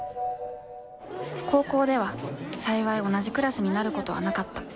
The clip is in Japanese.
高校では幸い同じクラスになることはなかった。